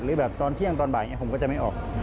หรือแบบตอนเที่ยงตอนบ่ายอย่างนี้ผมก็จะไม่ออก